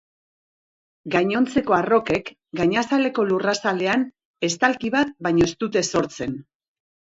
Gainontzeko arrokek, gainazaleko lurrazalean estalki bat baino ez dute sortzen.